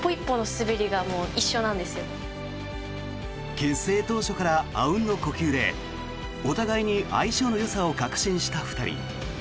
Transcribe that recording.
結成当初からあうんの呼吸でお互いに相性のよさを確信した２人。